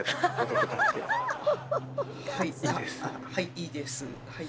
はいいいですはい。